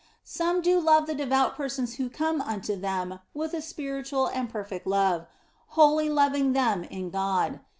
Some do love the devout persons who come unto them with a spiritual and perfect love, wholly loving them in God.